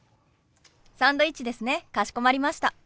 サンドイッチですねかしこまりました。